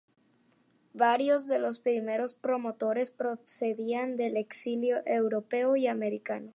Varios de los primeros promotores procedían del exilio europeo y americano.